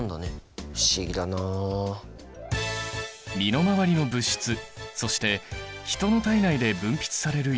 身の回りの物質そして人の体内で分泌される